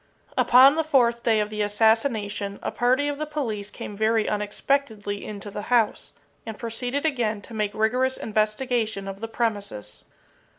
Upon the fourth day of the assassination, a party of the police came very unexpectedly into the house, and proceeded again to make rigorous investigation of the premises.